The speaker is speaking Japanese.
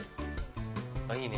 あっいいね。